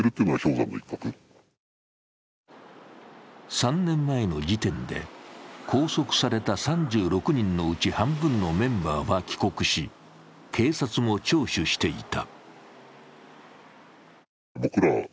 ３年前の時点で、拘束された３６人のうち半分のメンバーは帰国し、警察も聴取していた。